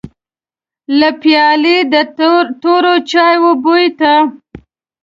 له پيالې د تورو چايو بوی ته.